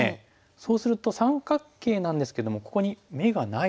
そうすると三角形なんですけどもここに眼がないですよね。